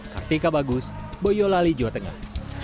kartika bagus boyolali jawa tengah